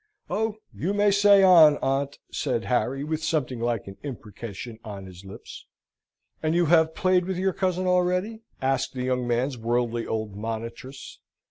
"Oh, you may say on, aunt!" said Harry, with something like an imprecation on his lips. "And have you played with your cousin already?" asked the young man's worldly old monitress.